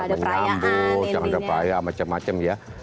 menambut jangan ada perayaan macam macam ya